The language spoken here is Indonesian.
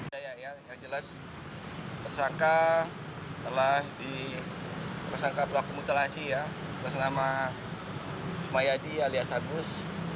ya ya ya yang jelas tersangka telah di tersangka pelaku mutilasi ya tersangka nama sumayadi alias agus